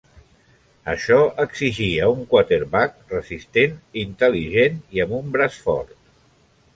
Això exigia un quarterback resistent, intel·ligent i amb un braç fort.